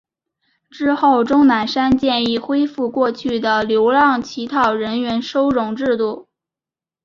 之后钟南山建议恢复过去的流浪乞讨人员收容制度。